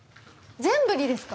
全部にですか？